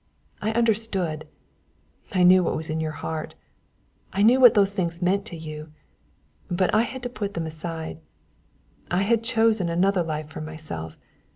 I understood I knew what was in your heart; I knew what those things meant to you; but I had put them aside; I had chosen another life for myself.